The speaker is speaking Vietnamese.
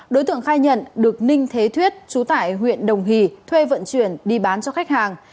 đối tượng khai nhận được ninh thế thuyết trú tại huyện đồng hì thuê vận chuyển đi bán cho khách hàng